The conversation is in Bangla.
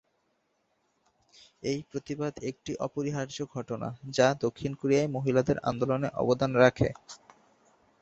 এই প্রতিবাদ একটি অপরিহার্য ঘটনা, যা দক্ষিণ কোরিয়ায় মহিলাদের আন্দোলনে অবদান রাখে।